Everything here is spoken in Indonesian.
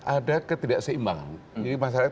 ada ketidakseimbangan ini masalahnya